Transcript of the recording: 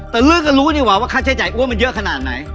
แต่เลือกก็รู้ดีกว่าว่าค่าใช้จ่ายอ้วนมันเยอะขนาดไหน